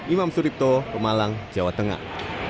imam suripto pemalang jawa tengah